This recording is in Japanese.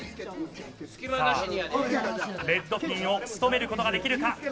レッドピンを仕留めることができるか。